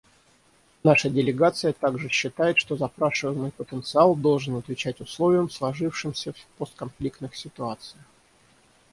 Наша делегация также считает, что запрашиваемый потенциал должен отвечать условиям, сложившимся в постконфликтных ситуациях.